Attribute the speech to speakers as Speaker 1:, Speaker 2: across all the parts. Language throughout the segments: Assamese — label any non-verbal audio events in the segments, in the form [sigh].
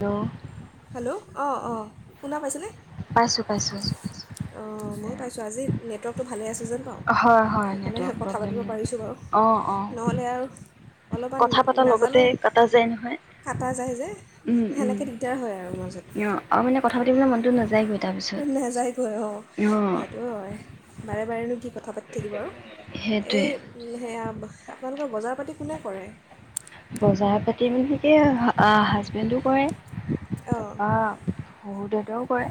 Speaker 1: দ'।
Speaker 2: হেল্ল', অ', অ', শুনা পাইছেনে?
Speaker 1: পাইছোঁ পাইছোঁ
Speaker 2: পাইছো, পাইছো। অ'। ময়ো পাইছো, আজি নেটৱৰ্কটো ভালে আছে। যেন পাওঁ।
Speaker 1: হয় হয়
Speaker 2: সেইকাৰণেহে
Speaker 1: নেটৱৰ্ক
Speaker 2: কথা
Speaker 1: প্ৰব্লেম
Speaker 2: পাতিব
Speaker 1: নাই
Speaker 2: পাৰিছোঁ বাৰু,
Speaker 1: অঁ অঁ
Speaker 2: নহ'লে আৰু অলপমান
Speaker 1: কথা পতাৰ লগতে
Speaker 2: নাজানো,
Speaker 1: কটা যায় নহয়।
Speaker 2: কাটা যায় যে,
Speaker 1: উম উম
Speaker 2: সেনেকেদি। এ, হয় আৰু মাজত।
Speaker 1: অঁ আৰু মানে কথা পাতিবলৈ মনতো নযায় গৈ।
Speaker 2: নেযায়গৈ অ', সেইটো হয়। বাৰে বাৰেনো কি ক কথা পাতি থাকিব আৰু
Speaker 1: সেইটোৱে
Speaker 2: এই এয়া, আপোনালোকৰ বজাৰ পাতি কোনে কৰে?
Speaker 1: বজাৰ পাতি বুলি এয়া হাজবেণ্ডো কৰে।
Speaker 2: অ',
Speaker 1: তাৰপা শহুৰ দেউতাও কৰে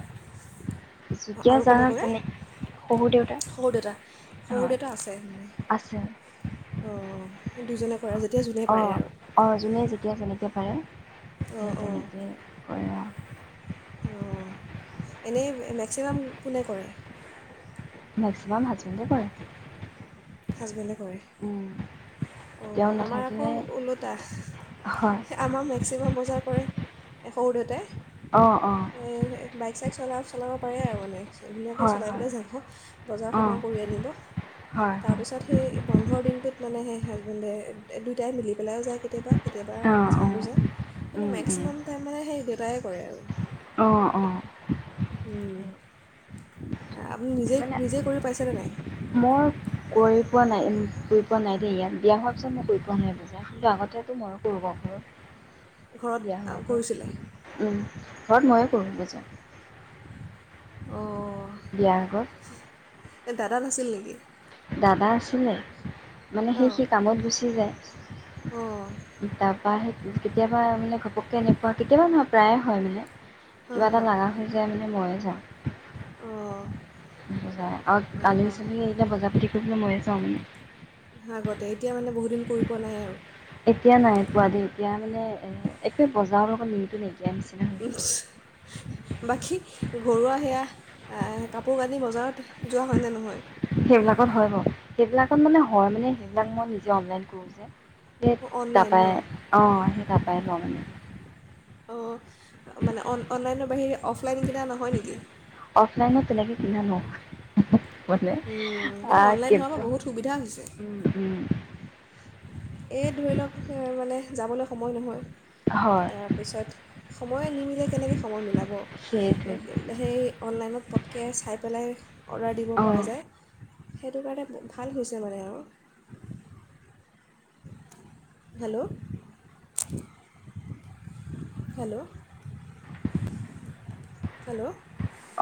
Speaker 1: যেতিয়া
Speaker 2: আৰু
Speaker 1: যাৰ
Speaker 2: কোনে কৰে
Speaker 1: যেনে
Speaker 2: শহুৰ দেউতা, শহুৰ
Speaker 1: হয়
Speaker 2: দেউতা আছে মানে,
Speaker 1: আছে
Speaker 2: অ', দুজনে কৰে যেতিয়া জোনে পাৰে আৰু।
Speaker 1: জোনে যেতিয়া যেনেকৈ পাৰে।
Speaker 2: অঁ
Speaker 1: সেই তেনেকেই কৰা।
Speaker 2: অ, এনেই মেক্সিমাম কোনে কৰে।
Speaker 1: মেক্সিমাম হাজবেণ্ডে কৰে।
Speaker 2: হাজবেণ্ডে কৰে। অ,
Speaker 1: তেওঁ
Speaker 2: আমাৰ আকৌ
Speaker 1: নাথাকিলে
Speaker 2: ওলোটা
Speaker 1: হয়
Speaker 2: আমাৰ মেক্সিমাম বজাৰ কৰে এ সৰু দাদাই
Speaker 1: অঁ অঁ
Speaker 2: বাইক চাইক চলা চলাব পাৰে আৰু মানে ধুনীয়াকৈ
Speaker 1: হয়
Speaker 2: চলাই
Speaker 1: হয়
Speaker 2: পেলাই যাব বজাৰ
Speaker 1: অঁ
Speaker 2: সমাৰ কৰি আনিব
Speaker 1: হয় হয়
Speaker 2: তাৰপিছত সেই বন্ধৰ দিনটোত মানে সেই সিহঁতে দুইটাই মিলি পেলাই যায়। কেতিয়াবা কেতিয়াবা
Speaker 1: অঁ
Speaker 2: হাজবেণ্ডো যায় কিন্তু
Speaker 1: অঁ
Speaker 2: মেক্সিমাম টাইম মানে সেই দেটাই কৰে আৰু।
Speaker 1: অ', অ',
Speaker 2: উম। [inaudible] নিজে
Speaker 1: মানে
Speaker 2: নিজে কৰি পাইছেনে নাই
Speaker 1: মই গৈ পোৱা নাই। গৈ পোৱা নাই দেই ইয়াত বিয়া হোৱাৰ পিছত মই কৰি পোৱা নাই বজাৰ কিন্তু আগতেতো মইো কৰো।
Speaker 2: ঘৰত কৰিছিলে।
Speaker 1: ঘৰত ময়ো কৰো বজাৰ।
Speaker 2: অ',
Speaker 1: বিয়াৰ আগত
Speaker 2: দাদাত আছিল নেকি?
Speaker 1: দাদা আছিলে। মানে সেই
Speaker 2: অঁ
Speaker 1: সি কামত গুচি যায়
Speaker 2: অঁ
Speaker 1: তাৰপৰা সেই কেতিয়াবা মানে ঘপককৈ এনেকুৱা কেতিয়াবা প্ৰায়ে হয় মানে।
Speaker 2: হাঁ
Speaker 1: কিবা এটা লাগা হৈ যায় মানে মই [unintelligible]
Speaker 2: অ',
Speaker 1: অ', আলহী চালহি আহিলে বজাৰ পাতি কৰিবলৈ মইয়ে যা [unintelligible]
Speaker 2: আগতে এতিয়া মানে বহুতদিন কৰি পোৱা নাই আৰু।
Speaker 1: এতিয়া নাই পোৱা দেই এতিয়া মানে একে বজাৰৰ লগত নিচিনা
Speaker 2: [unintelligible]
Speaker 1: হৈ গ'ল।
Speaker 2: বাকী ঘৰুৱা সেয়া কাপোৰ কানি বজাৰত যোৱা হয়নে নহয়?
Speaker 1: সেইবিলাকত হয় বাৰু। সেইবিলাকত মানে হয় মানে সেইবিলাক মই নিজে অনলাইন কৰো যে। সেই
Speaker 2: অঁ অনলাইন ন
Speaker 1: তাপাই অহ', সেই তাপাই লও মানে।
Speaker 2: অহ ', মানে অন-অনলাইনৰ বাহিৰে অফলাইন কিনা নহয় নেকি?
Speaker 1: অফলাইনত তেনেকে কিনা নহয়। মানে
Speaker 2: উম,
Speaker 1: আহ,
Speaker 2: অনলাইন হোৱাৰ
Speaker 1: কিন্তু
Speaker 2: পৰা বহুত সুবিধা হৈছে
Speaker 1: উম - উম।
Speaker 2: এই ধৰি লওক মানে। যাবলৈ সময় নহয়।
Speaker 1: হয়
Speaker 2: তাৰপিছত সময় নিমিলে কেনেকৈ সময় মিলাব।
Speaker 1: সেইটোৱে
Speaker 2: সেই অনলাইনত পটকৈ চাই পেলাই অৰ্ডাৰ দিব
Speaker 1: অঁ
Speaker 2: পৰা যায়। সেইটো কাৰণে ভাল হৈছে মানে আৰু। হেল্ল', হেল্ল', হেল্ল',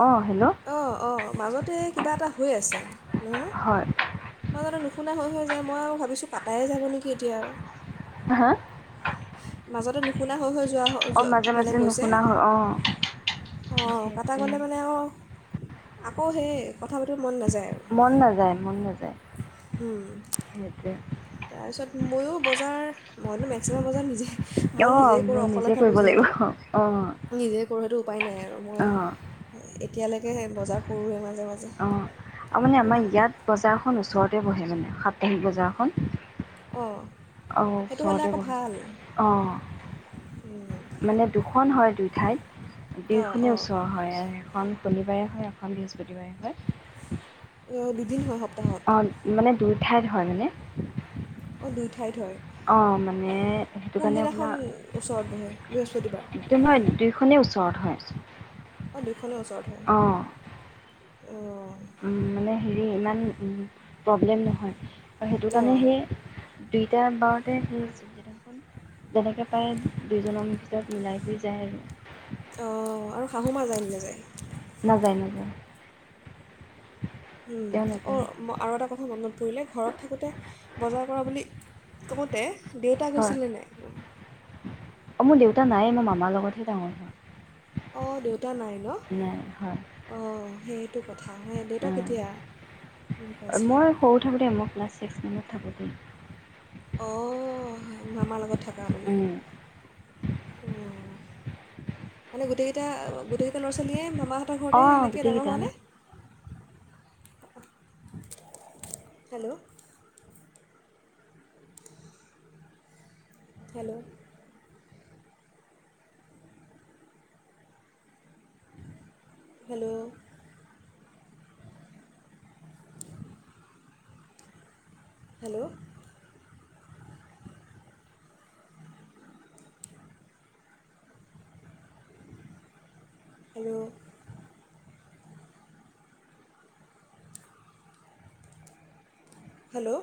Speaker 1: অঁ হেল্ল'
Speaker 2: অহ ', - অহ ', মাজতে কিবা এটা হৈ আছে।
Speaker 1: হয়
Speaker 2: [unintelligible] শুনা হৈ - হৈ যায় মই আৰু ভাবিছো কাটায়ে যাব নেকি এতিয়া আৰু।
Speaker 1: হাহ।
Speaker 2: মাজতে নুশুনা হৈ- হৈ যোৱা
Speaker 1: মাজে
Speaker 2: মানে যোৱা
Speaker 1: মাজে
Speaker 2: গৈছে
Speaker 1: নুশুনা হ'ল অঁ
Speaker 2: অহ ', কটা
Speaker 1: সেইটোৱে
Speaker 2: গ'লে মানে অহ ', আকৌ সেই কথা পাতিব মন নাযায়।
Speaker 1: মন নাযায় - মন নাযায়।
Speaker 2: উম,
Speaker 1: সেইটোৱে
Speaker 2: তাৰপিছত ময়ো বজাৰ। মইতো মেক্সিমাম বজাৰ নিজে মই
Speaker 1: অঁ
Speaker 2: নিজে কৰো অকলে
Speaker 1: নিজে
Speaker 2: থাকো
Speaker 1: কৰিব লাগিব
Speaker 2: যিহেতু,
Speaker 1: অঁ
Speaker 2: নিজেই কৰো সেইটো উপায় নাই, আৰু। মই
Speaker 1: অঁ
Speaker 2: এতিয়া? বেলেকে বজাৰ কৰো মানে।
Speaker 1: অহ ', আৰু মানে আমাৰ ইয়াত বজাৰখন ওচৰত ততে বহে মানে, সাত্তাহিক বজাৰখন।
Speaker 2: অহ ',
Speaker 1: অহ ', ওচৰতে বহে অহ ', মানে দুখন হয় দুই ঠাইত। দুই
Speaker 2: অঁ
Speaker 1: খনে
Speaker 2: অঁ
Speaker 1: ওচৰ হয় আৰু সেইখন শনিবাৰে হয়, এখন বৃহস্পতিবাৰে হয়।
Speaker 2: দুদিন হয় সপ্তাহত।
Speaker 1: অঁ [unintelligible] হয়, মানে
Speaker 2: অ', দু
Speaker 1: অ', মানে সেইটো কাৰণে
Speaker 2: কোনদিনাখন
Speaker 1: আপোনাৰ,
Speaker 2: ওচৰত বহে বৃহস্পতিবাৰ
Speaker 1: [unintelligible] দুইখনে ওচৰত হয়।
Speaker 2: অ', দুইখনে
Speaker 1: অঁ
Speaker 2: ওচৰত হয়। অ।
Speaker 1: উম, মানে হেৰি ইমান প্ৰব্লেম নহয়। আৰু সেইটো
Speaker 2: অঁ
Speaker 1: কাৰণে
Speaker 2: অঁ
Speaker 1: সেই দুইটা বাৰতে সেই [unintelligible] যেনেকে প্ৰায় দুজনৰ ভিতৰত মিলাই কৰি যায় আৰু।
Speaker 2: অঁ আৰু শাহু মা যায় নাযায়
Speaker 1: নাযায়, নাযায়।
Speaker 2: উম,
Speaker 1: তেওঁলোকে
Speaker 2: অ', ম আৰু এটা কথা মনত পৰিলে। ঘৰত থাকোঁতে বজাৰ কৰা বুলি, কওঁতে দেউতা
Speaker 1: হয়
Speaker 2: গৈছিলে নে নাই?
Speaker 1: তা নাইয়ে। মই মামাৰ লগতহে ডাঙৰ হোৱা।
Speaker 2: অ', দেউতা নাই ন? অ, সেই দেউতা কেতিয়া
Speaker 1: অ',
Speaker 2: ঢুকাইছিলে
Speaker 1: মই সৰু থাকোঁতে। মই ক্লাছ ছিক্স মানত থাকো উম।
Speaker 2: অ। হয়, মামাৰ লগত থাকা মানে? মানে গোটেই এতিয়া গোটেইকেইটা
Speaker 1: অঁ
Speaker 2: ল'ৰা
Speaker 1: গোটেইকেইটা আমি
Speaker 2: ছোৱালীয়ে মামাহঁতৰ ঘৰতেই সেনেকে ডাঙৰ হোৱা নে? Hello. Hello. Hello. Hello. Hello. Hello.